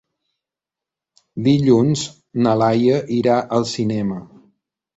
Dilluns na Laia irà al cinema.